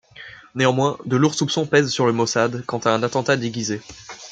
Néanmoins, de lourds soupçons pèsent sur le Mossad quant à un attentat déguisé.